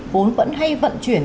vốn vẫn hay vận chuyển